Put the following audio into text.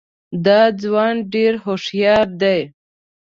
دا ځوان ډېر هوښیار دی.